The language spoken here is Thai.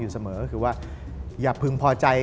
เสมอก็คือว่าอย่าพึงพอใจ